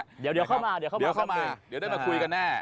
เดี๋ยวเข้ามาเดี๋ยวเขาบอกเข้ามาเดี๋ยวได้มาคุยกันแน่